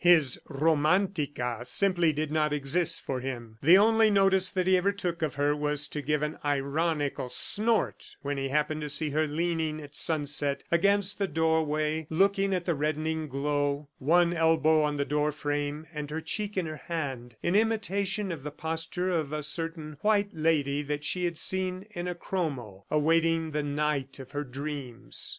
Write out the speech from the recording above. His Romantica simply did not exist for him. The only notice that he ever took of her was to give an ironical snort when he happened to see her leaning at sunset against the doorway, looking at the reddening glow one elbow on the door frame and her cheek in her hand, in imitation of the posture of a certain white lady that she had seen in a chromo, awaiting the knight of her dreams.